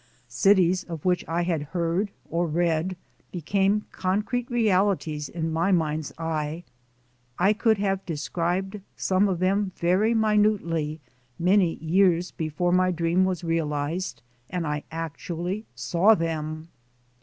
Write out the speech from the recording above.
Cities of which I had heard or read became con crete realities in my mind's eye; I could have de scribed some of them very minutely many years be fore my dream was realized and I actually saw them.